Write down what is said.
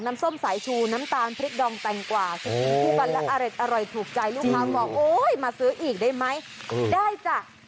น้ำส้มสายชูน้ำตาลพริกดองแตงกว่าอร่อยถูกใจลูกค้าบอกโอ้ยมาซื้ออีกได้ไหมได้จ้ะ